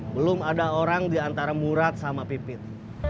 belum ada orang diantara murad sama pipit